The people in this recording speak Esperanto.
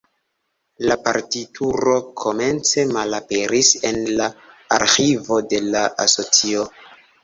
La partituro komence malaperis en la arĥivo de la asocio.